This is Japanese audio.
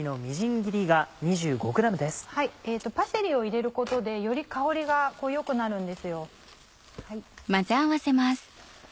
パセリを入れることでより香りが良くなるんですよ。